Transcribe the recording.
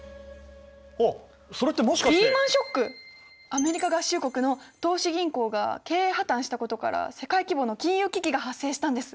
アメリカ合衆国の投資銀行が経営破綻したことから世界規模の金融危機が発生したんです。